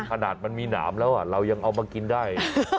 ขนาดมันมีหนามแล้วเรายังเอามากินได้